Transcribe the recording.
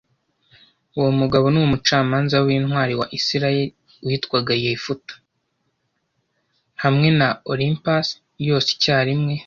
hamwe na olympus yose icyarimwe